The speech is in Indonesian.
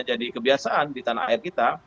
jadi kebiasaan di tanah air kita